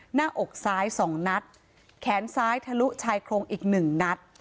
หน้าอกซ้าย๒นัดแขนซ้ายทะลุชายโครงอีกหนึ่งนัด